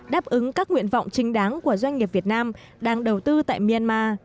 đáp ứng các nguyện vọng chính đáng của doanh nghiệp việt nam đang đầu tư tại myanmar